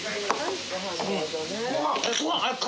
ご飯。